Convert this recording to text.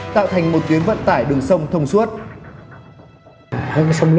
tạo thành một tuyến vận tải đường sông thông suốt